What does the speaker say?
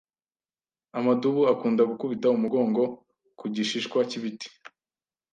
Amadubu akunda gukubita umugongo ku gishishwa cyibiti.